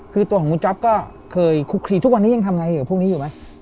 คือตัวของคุณจ๊อปก็เคยคุกคลีทุกวันนี้ยังทำไงกับพวกนี้อยู่ไหม